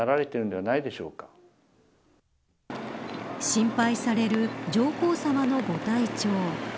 心配される上皇さまのご体調。